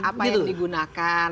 apa yang digunakan